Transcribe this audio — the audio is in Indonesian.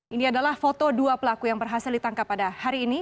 ini adalah foto dua pelaku yang berhasil ditangkap pada hari ini